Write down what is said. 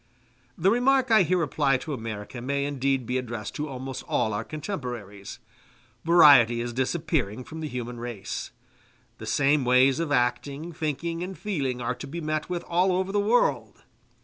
The remark I here apply to America may indeed be addressed to almost all our contemporaries. Variety is disappearing from the human race; the same ways of acting, thinking, and feeling are to be met with all over the world.